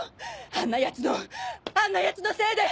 あんな奴のあんな奴のせいで！